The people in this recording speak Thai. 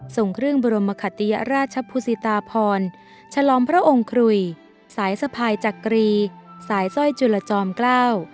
ส่งเครื่องบรมคติยราชภูสิตาพรฉลองพระองค์ครุยสายสะพายจักรีสายสร้อยจุลจอมเกล้า